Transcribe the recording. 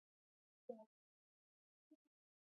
سیلابونه د افغان ماشومانو د لوبو موضوع ده.